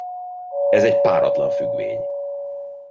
Ez egy páratlan függvény.